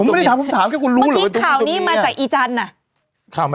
เมื่อกี้ข่าวมาจากอีจรรย์แหละ